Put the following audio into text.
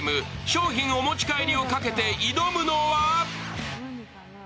商品お持ち帰りをかけて挑むのは？